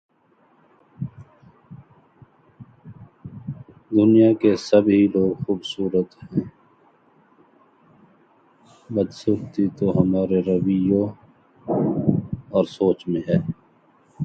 He carries out technical supervision of the plant and develops technical documents?